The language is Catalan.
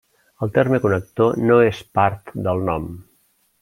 El terme connector no és part del nom.